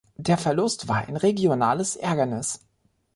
Der Verlust war ein regionales Ärgernis.